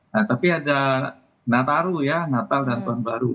nah tapi ada natal dan tahun baru